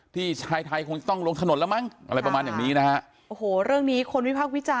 ที่ชายไทยคงต้องลงถนนแล้วมั้งอะไรประมาณอย่างนี้นะฮะ